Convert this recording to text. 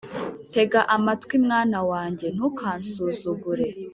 Tega amatwi, mwana wanjye, ntukansuzugure,